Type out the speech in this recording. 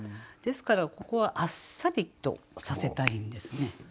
ですからここはあっさりとさせたいんですね。